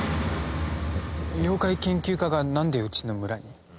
妖怪研究家が何でうちの村に？